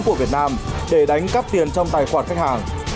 của việt nam để đánh cắp tiền trong tài khoản khách hàng